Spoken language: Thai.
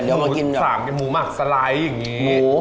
เดี๋ยวเอากินแบบหมูสาหร่างเงี้ยหมูหมักสไลด์อย่างเงี้ย